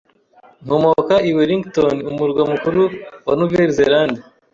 [S] Nkomoka i Wellington, umurwa mukuru wa Nouvelle-Zélande.